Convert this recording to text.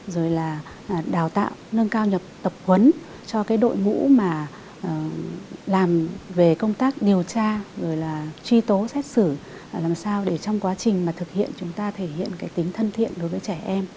rồi là đào tạo nâng cao nhập tập huấn cho cái đội ngũ mà làm về công tác điều tra rồi là truy tố xét xử làm sao để trong quá trình mà thực hiện chúng ta thể hiện cái tính thân thiện đối với trẻ em